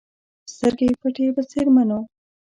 سترګې پټې په څرمنو